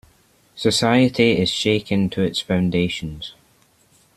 Society is shaken to its foundations.